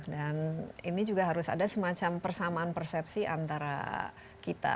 dan ini juga harus ada semacam persamaan persepsi antara kita